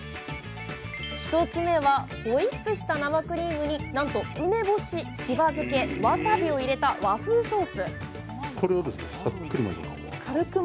１つ目はホイップした生クリームになんと梅干ししば漬けわさびを入れた和風ソース